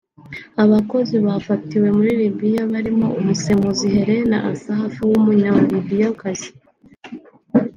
Abakozi bafatiwe muri Libiya barimo umusemuzi Hélène Assaf w’Umunyalibiyakazi